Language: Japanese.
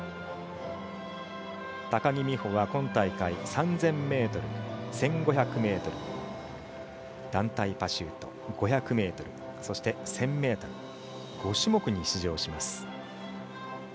高木美帆は今大会３０００ｍ、１５００ｍ団体パシュート、５００ｍそして１０００ｍ、５種目に出場します。